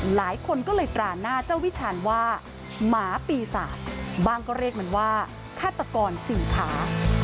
หลายคนก็เลยตราหน้าเจ้าวิชาญว่าหมาปีศาจบ้างก็เรียกมันว่าฆาตกรสี่ขา